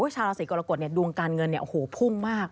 ชาวราศีกรกฎดวงการเงินพุ่งมาก